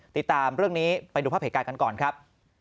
ติดตามเรื่องนี้ไปดูภาพเหตุการณ์กันก่อนครับ